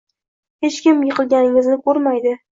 Hech kim yiqilganingizni ko’rmaydi.